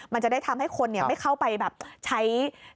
มันจะได้ทำให้คนไม่เข้าไปแบบใช้